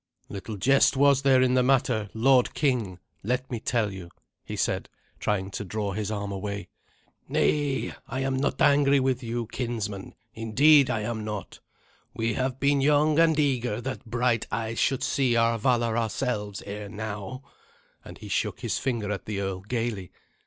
"Little jest was there in the matter, lord king, let me tell you," he said, trying to draw his arm away. "Nay, I am not angry with you, kinsman; indeed, I am not. We have been young and eager that bright eyes should see our valour ourselves ere now," and he shook his finger at the earl gaily.